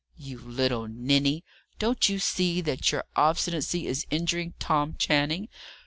"You little ninny! Don't you see that your obstinacy is injuring Tom Channing?